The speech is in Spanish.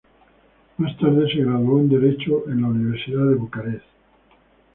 Más tarde se graduó en derecho a la Universidad de Bucarest.